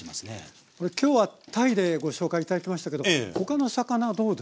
これ今日は鯛でご紹介頂きましたけど他の魚どうですか？